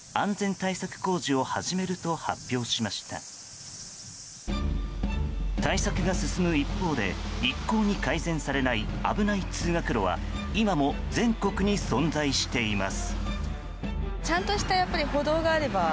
対策が進む一方で一向に改善されない危ない通学路は今も全国に存在しています。